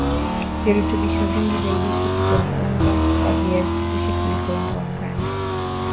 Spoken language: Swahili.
virutubisho vingi zaidi viko kwenye unga wa viazi lishe kuliko unga wa ngano